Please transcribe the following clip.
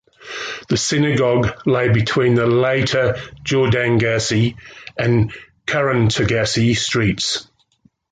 The synagogue lay between the later Jordangasse and Kurrentgasse streets.